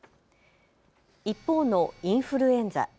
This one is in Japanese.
一方のインフルエンザ。